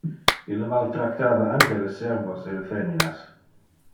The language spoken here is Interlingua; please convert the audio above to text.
Ille maltractava anque le servos e le feminas.